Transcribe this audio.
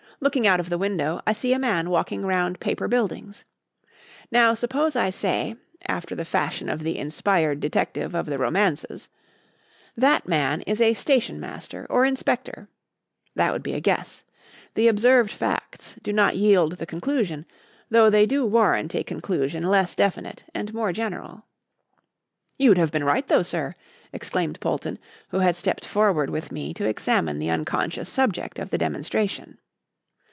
"Looking out of the window, I see a man walking round Paper Buildings. Now suppose I say, after the fashion of the inspired detective of the romances, 'That man is a stationmaster or inspector,' that would be a guess. The observed facts do not yield the conclusion, though they do warrant a conclusion less definite and more general." "You'd have been right though, sir!" exclaimed Polton, who had stepped forward with me to examine the unconscious subject of the demonstration.